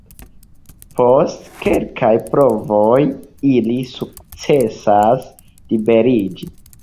Post kelkaj provoj, ili sukcesas liberiĝi.